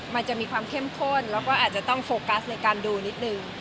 มันจะมีความเข้มข้นแล้วก็อาจจะต้องโฟกัสในการดูนิดนึง